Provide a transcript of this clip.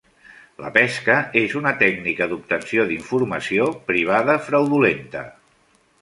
La pesca és una tècnica d'obtenció d'informació privada fraudulenta.